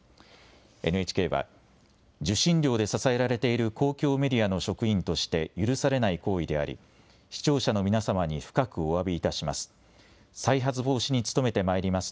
ＮＨＫは受信料で支えられている公共メディアの職員として許されない行為であり、視聴者の皆様に深くおわびいたします。